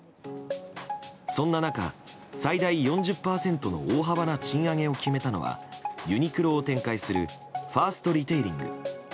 そんな中、最大４０％の大幅な賃上げを決めたのはユニクロを展開するファーストリテイリング。